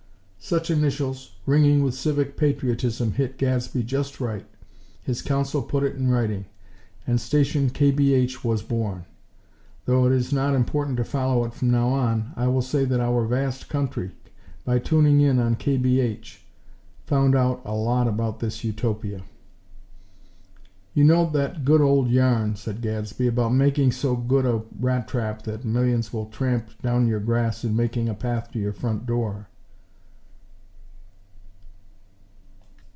Such initials, ringing with civic patriotism, hit Gadsby just right; his Council put it in writing; and "Station KBH" was born! Though it is not important to follow it from now on, I will say that our vast country, by tuning in on KBH, found out a lot about this Utopia. "You know that good old yarn," said Gadsby, "about making so good a rat trap that millions will tramp down your grass in making a path to your front door."